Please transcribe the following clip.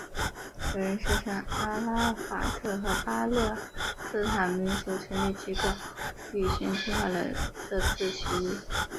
有人宣称阿拉法特和巴勒斯坦民族权力机构预先计划了这次起义。